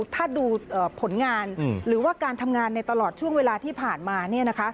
ถ้าดูผลงานหรือว่าการทำงานในตลอดช่วงเวลาที่ผ่านมา